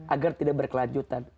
agar tidak berkelanjutan